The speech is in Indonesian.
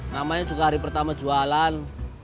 namanya juga hari pertama jualan